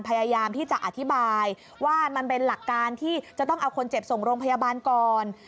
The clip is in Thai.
พยายามที่จะอธิบายว่ามันเป็นหลักการที่จะต้องเอาคนเจ็บส่งโรงพยาบาลก่อน